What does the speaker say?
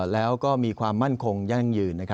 แล้วก็มีความมั่นคงยั่งยืน